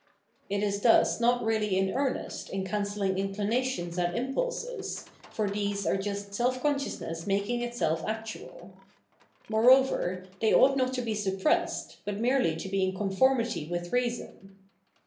It is thus not really in earnest in cancelling inclinations and impulses, for these are just self consciousness making iteelf actual. Moreover, they ought not to be sup pressed, but merely to be in conformity with reason.